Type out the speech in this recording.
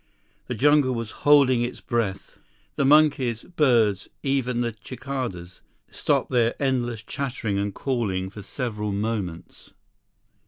The jungle was holding its breath. The monkeys, birds, even the cicadas, stopped their endless chattering and calling for several moments.